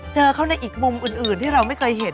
เจอเขาในอีกมุมอื่นที่เราไม่เคยเห็น